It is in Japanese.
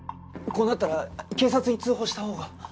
こうなったら警察に通報したほうが。